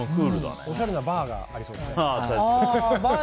おしゃれなバーにありそうですね。